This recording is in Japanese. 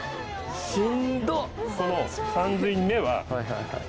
しんどっ！